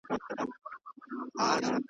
د غم او پاتا پر کمبله کښېناوه .